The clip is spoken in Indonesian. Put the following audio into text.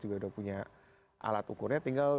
sudah punya alat ukurnya tinggal